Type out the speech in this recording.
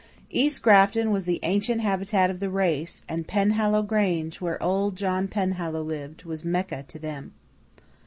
East Grafton was the ancient habitat of the race, and Penhallow Grange, where "old" John Penhallow lived, was a Mecca to them.